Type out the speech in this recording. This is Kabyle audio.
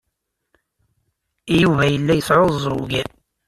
Yuba yella yesɛuẓẓug.